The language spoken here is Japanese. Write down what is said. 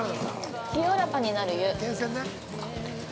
清らかになる湯。